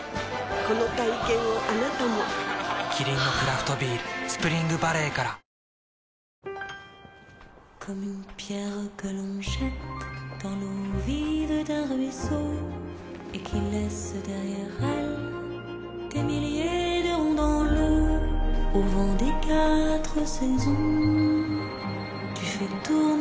この体験をあなたもキリンのクラフトビール「スプリングバレー」からあなたにとって「先生」とは？